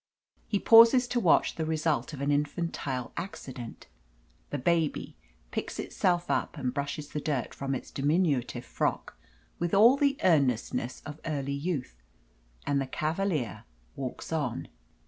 He pauses to watch the result of an infantile accident. The baby picks itself up and brushes the dust from its diminutive frock with all the earnestness of early youth. And the cavalier walks on.